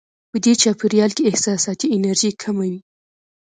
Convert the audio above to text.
په دې چاپېریال کې احساساتي انرژي کمه وي.